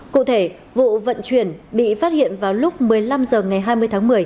cụ thể vụ vận chuyển bị phát hiện vào lúc một mươi năm h ngày hai mươi tháng một mươi